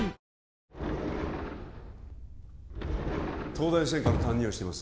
東大専科の担任をしてます